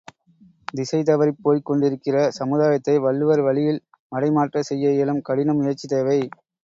திசை தவறிப் போய்க் கொண்டிருக்கிற சமுதாயத்தை வள்ளுவர் வழியில் மடை மாற்ற செய்ய இயலும், கடின முயற்சி தேவை.